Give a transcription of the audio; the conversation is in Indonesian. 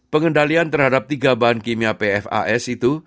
pengendalian terhadap tiga bahan kimia pfas itu